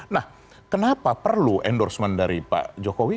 nah kenapa perlu endorsement dari pak jokowi